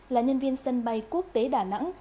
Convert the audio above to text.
là nhân viên sân bay quốc tế đà nẵng